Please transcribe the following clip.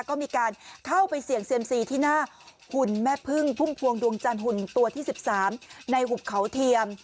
ก็มีการเข้าไปเสี่ยงเซียมซีที่หน้าหุ่นแม่พึ่งพุ่มพวงดวงจันทร์หุ่นตัวที่๑๓ในหุบเขาเทียม